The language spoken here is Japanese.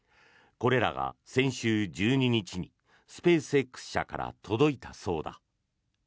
これらが先週１２日にスペースＸ社から届いたそうだ。